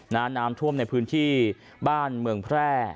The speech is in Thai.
น้ำท่วมในพื้นที่บ้านเมืองแพร่